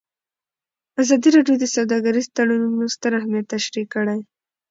ازادي راډیو د سوداګریز تړونونه ستر اهميت تشریح کړی.